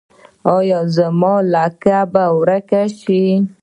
ایا زما لکې به ورکې شي؟